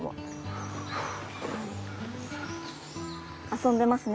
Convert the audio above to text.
遊んでますね。